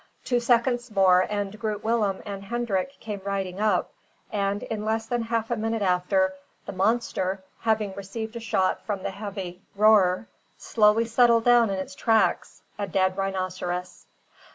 Two seconds more and Groot Willem and Hendrik came riding up; and, in less than half a minute after, the monster, having received a shot from the heavy roer, slowly settled down in its tracks a dead rhinoceros.